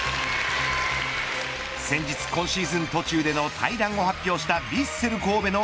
先日、今シーズン途中での退団を発表した、ヴィッセル神戸の